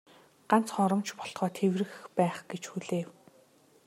Ганц хором ч болтугай тэврэх байх гэж хүлээв.